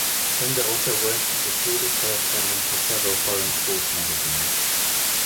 Linde also worked as the Swedish correspondent for several foreign sports magazines.